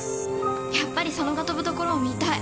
やっぱり佐野が跳ぶところを見たい。